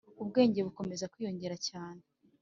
Ubwenge bukomeza kwiyongera cyane